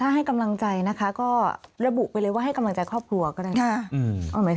ถ้าให้กำลังใจนะคะก็ระบุไปเลยว่าให้กำลังใจครอบครัวก็ได้นะ